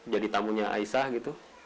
jadi tamunya aisyah gitu